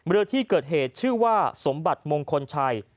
เรือที่เกิดเหตุชื่อว่าสมบัติมงคลชัย